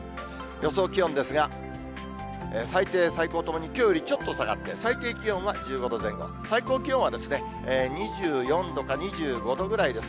予想気温ですが、最低、最高ともにきょうよりちょっと下がって、最低気温が１５度前後、最高気温は２４度か２５度ぐらいです。